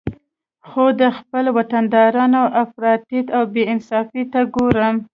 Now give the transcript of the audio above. خو د خپل وطندارانو افراطیت او بې انصافي ته ګورم